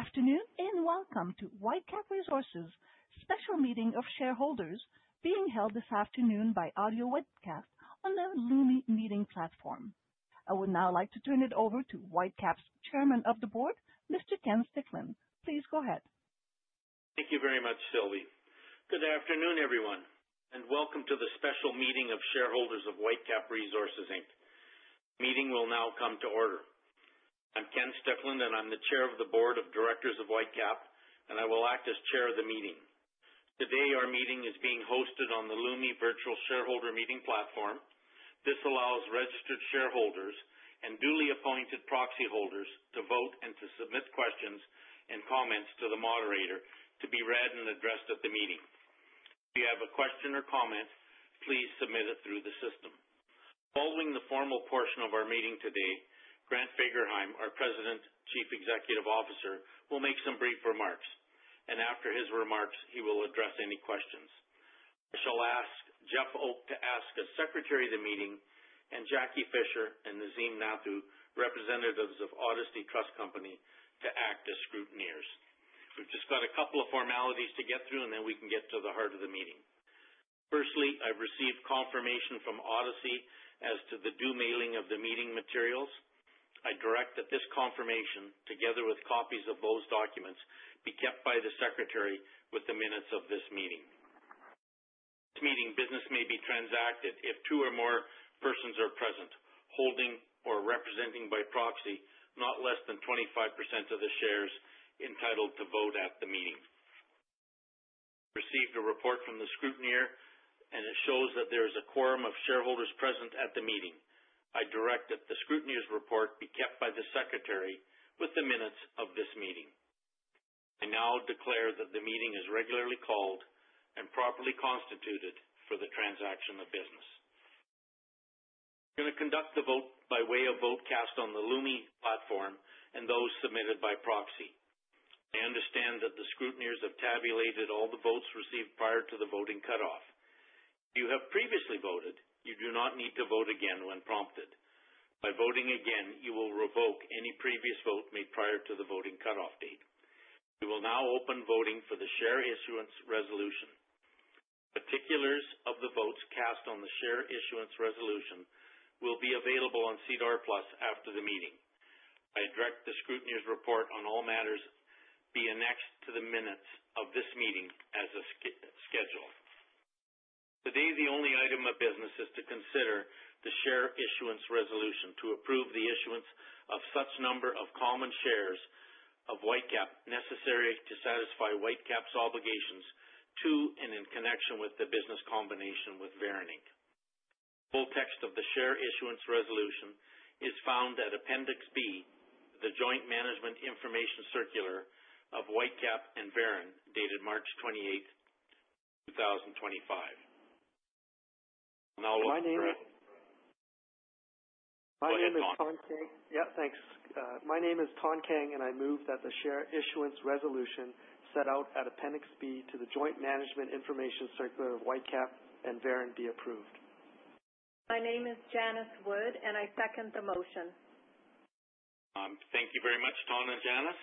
Good afternoon and welcome to Whitecap Resources' special meeting of shareholders being held this afternoon by audio webcast on the Lumi meeting platform. I would now like to turn it over to Whitecap's Chairman of the Board, Mr. Ken Stickland. Please go ahead. Thank you very much, Sylvie. Good afternoon, everyone, and welcome to the special meeting of shareholders of Whitecap Resources Inc. The meeting will now come to order. I'm Ken Stickland, and I'm the chair of the board of directors of Whitecap, and I will act as chair of the meeting. Today our meeting is being hosted on the Lumi virtual shareholder meeting platform. This allows registered shareholders and duly appointed proxy holders to vote and to submit questions and comments to the moderator to be read and addressed at the meeting. If you have a question or comment, please submit it through the system. Following the formal portion of our meeting today, Grant Fagerheim, our President, Chief Executive Officer, will make some brief remarks, and after his remarks he will address any questions. I shall ask Jeff Oke to act as secretary of the meeting and Jackie Fisher and Nazeem Nathu, representatives of Odyssey Trust Company, to act as scrutineers. We've just got a couple of formalities to get through, and then we can get to the heart of the meeting. Firstly, I've received confirmation from Odyssey as to the due mailing of the meeting materials. I direct that this confirmation, together with copies of those documents, be kept by the secretary with the minutes of this meeting. This meeting business may be transacted if two or more persons are present holding or representing by proxy not less than 25% of the shares entitled to vote at the meeting. I received a report from the scrutineer, and it shows that there is a quorum of shareholders present at the meeting. I direct that the scrutineer's report be kept by the secretary with the minutes of this meeting. I now declare that the meeting is regularly called and properly constituted for the transaction of business. We're going to conduct the vote by way of vote cast on the Lumi platform and those submitted by proxy. I understand that the scrutineers have tabulated all the votes received prior to the voting cutoff. If you have previously voted, you do not need to vote again when prompted. By voting again, you will revoke any previous vote made prior to the voting cutoff date. We will now open voting for the share issuance resolution. The particulars of the votes cast on the share issuance resolution will be available on SEDAR+ after the meeting. I direct the scrutineer's report on all matters be annexed to the minutes of this meeting as a schedule. Today the only item of business is to consider the share issuance resolution to approve the issuance of such number of common shares of Whitecap necessary to satisfy Whitecap's obligations to and in connection with the business combination with Veren Inc. The full text of the share issuance resolution is found at Appendix B, the joint management information circular of Whitecap and Veren dated March 28th, 2025. Yeah, thanks. My name is Thanh Kang, and I move that the share issuance resolution set out at Appendix B to the joint management information circular of Whitecap and Veren be approved. My name is Janice Wood, and I second the motion. Thank you very much, Thanh and Janice.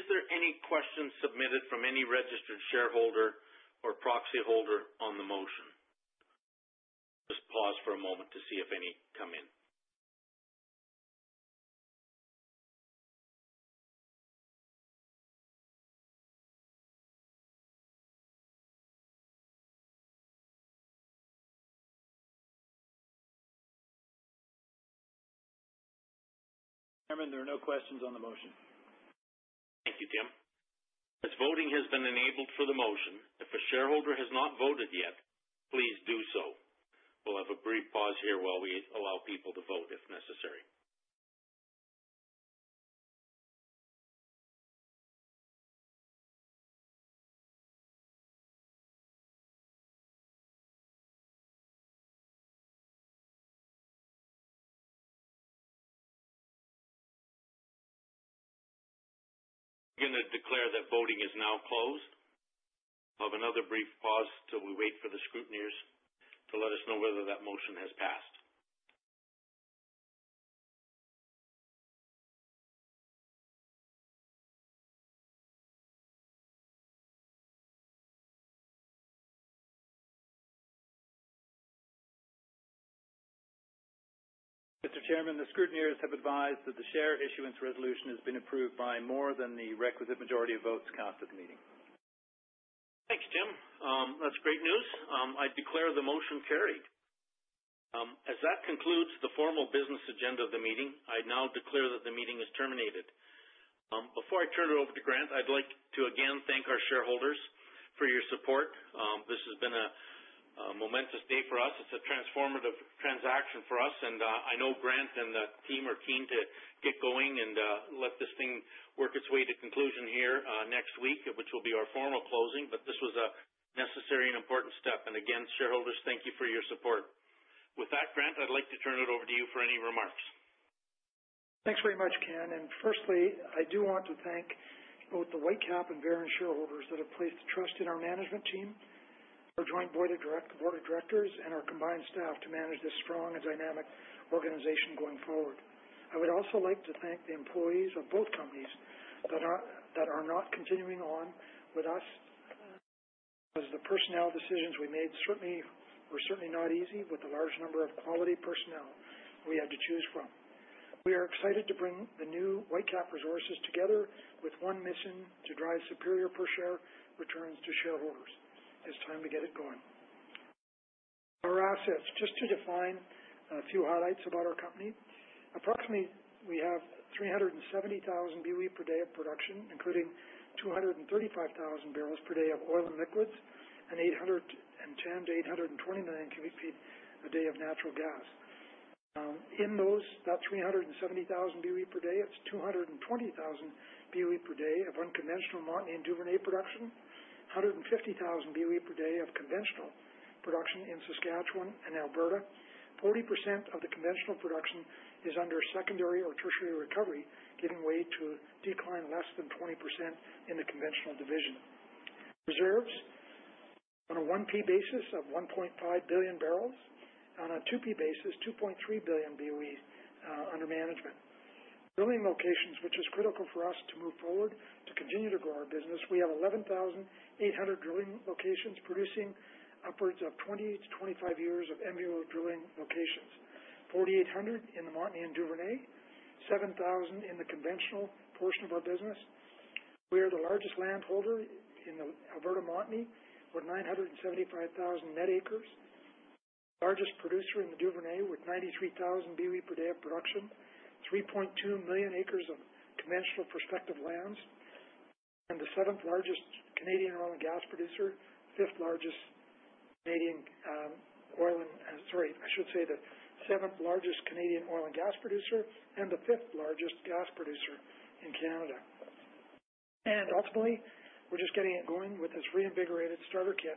Is there any questions submitted from any registered shareholder or proxy holder on the motion? Just pause for a moment to see if any come in. Chairman, there are no questions on the motion. Thank you, Tim. As voting has been enabled for the motion, if a shareholder has not voted yet, please do so. We'll have a brief pause here while we allow people to vote if necessary. I'm going to declare that voting is now closed. I'll have another brief pause till we wait for the scrutineers to let us know whether that motion has passed. Mr. Chairman, the scrutineers have advised that the Share Issuance Resolution has been approved by more than the requisite majority of votes cast at the meeting. Thanks, Tim. That's great news. I declare the motion carried. As that concludes the formal business agenda of the meeting, I now declare that the meeting is terminated. Before I turn it over to Grant, I'd like to again thank our shareholders for your support. This has been a momentous day for us. It's a transformative transaction for us, and I know Grant and the team are keen to get going and let this thing work its way to conclusion here next week, which will be our formal closing. But this was a necessary and important step, and again, shareholders, thank you for your support. With that, Grant, I'd like to turn it over to you for any remarks. Thanks very much, Ken. Firstly, I do want to thank both the Whitecap and Veren shareholders that have placed trust in our management team, our joint board of directors, and our combined staff to manage this strong and dynamic organization going forward. I would also like to thank the employees of both companies that are not continuing on with us because the personnel decisions we made certainly were certainly not easy with the large number of quality personnel we had to choose from. We are excited to bring the new Whitecap Resources together with one mission to drive superior per-share returns to shareholders. It's time to get it going. Our assets, just to define a few highlights about our company. Approximately, we have 370,000 Boe per day of production, including 235,000 barrels per day of oil and liquids, and 810-820 million cubic feet a day of natural gas. In those about 370,000 Boe per day, it's 220,000 Boe per day of unconventional Montney and Duvernay production, 150,000 Boe per day of conventional production in Saskatchewan and Alberta. 40% of the conventional production is under secondary or tertiary recovery, giving way to decline less than 20% in the conventional division. Reserves on a 1P basis of 1.5 billion barrels. On a 2P basis, 2.3 billion Boe under management. Drilling locations, which is critical for us to move forward to continue to grow our business. We have 11,800 drilling locations producing upwards of 20-25 years of inventory drilling locations, 4,800 in the Montney and Duvernay, 7,000 in the conventional portion of our business. We are the largest landholder in the Alberta Montney with 975,000 net acres, the largest producer in the Duvernay with 93,000 barrels per day of production, 3.2 million acres of conventional prospective lands, and the seventh largest Canadian oil and gas producer, fifth largest Canadian oil and sorry, I should say the seventh largest Canadian oil and gas producer and the fifth largest gas producer in Canada. Ultimately, we're just getting it going with this reinvigorated starter kit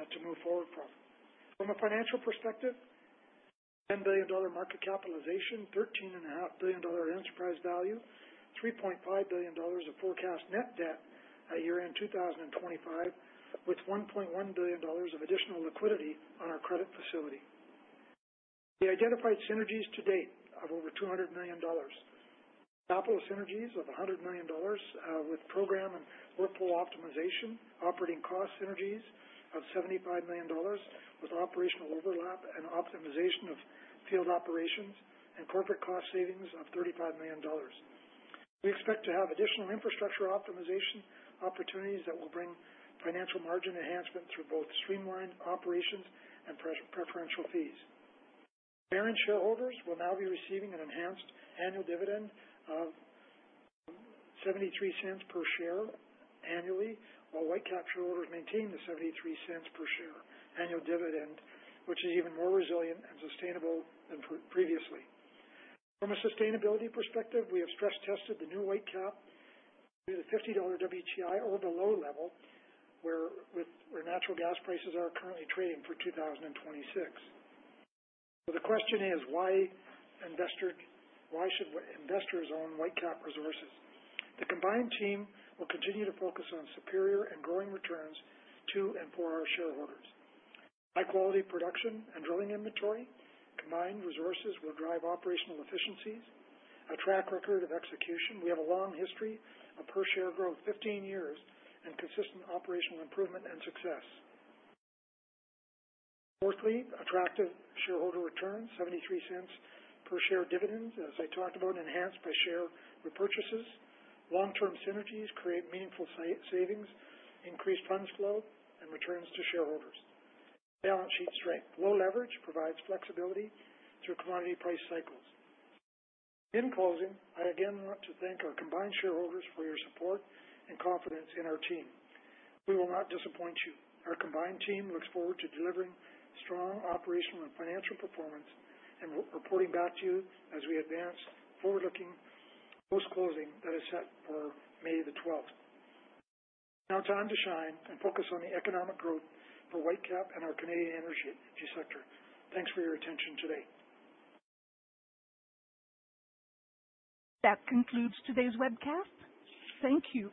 to move forward from. From a financial perspective, 10 billion dollar market capitalization, 13.5 billion dollar enterprise value, 3.5 billion dollars of forecast net debt a year in 2025 with 1.1 billion dollars of additional liquidity on our credit facility. We identified synergies to date of over 200 million dollars, capital synergies of 100 million dollars with program and workflow optimization, operating cost synergies of 75 million dollars with operational overlap and optimization of field operations and corporate cost savings of 35 million dollars. We expect to have additional infrastructure optimization opportunities that will bring financial margin enhancement through both streamlined operations and preferential fees. Veren shareholders will now be receiving an enhanced annual dividend of 0.73 per share annually, while Whitecap shareholders maintain the 0.73 per share annual dividend, which is even more resilient and sustainable than previously. From a sustainability perspective, we have stress-tested the new Whitecap to the $50 WTI or below level where natural gas prices are currently trading for 2026. So the question is, why should investors own Whitecap Resources? The combined team will continue to focus on superior and growing returns to and for our shareholders. High-quality production and drilling inventory, combined resources will drive operational efficiencies, a track record of execution. We have a long history of per-share growth, 15 years, and consistent operational improvement and success. Fourthly, attractive shareholder returns, 0.73 per share dividends, as I talked about, enhanced by share repurchases. Long-term synergies create meaningful savings, increased funds flow, and returns to shareholders. Balance sheet strength, low leverage provides flexibility through commodity price cycles. In closing, I again want to thank our combined shareholders for your support and confidence in our team. We will not disappoint you. Our combined team looks forward to delivering strong operational and financial performance and reporting back to you as we advance forward-looking post-closing that is set for May the 12th. Now time to shine and focus on the economic growth for Whitecap and our Canadian energy sector. Thanks for your attention today. That concludes today's webcast. Thank you.